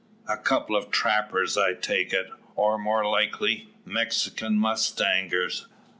A couple of trappers I take it; or, more likely, Mexican mustangers."